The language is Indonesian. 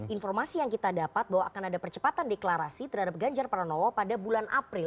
informasi yang kita dapat bahwa akan ada percepatan deklarasi terhadap ganjar pranowo pada bulan april